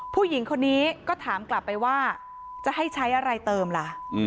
ผู้หญิงคนนี้ก็ถามกลับไปว่าจะให้ใช้อะไรเติมล่ะ